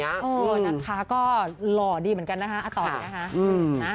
น้ำค้าก็หล่อดีเหมือนกันนะคะอาต๋อยนะคะ